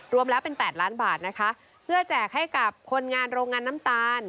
รวมแล้วเป็น๘ล้านบาทนะคะเพื่อแจกให้กับคนงานโรงงานน้ำตาล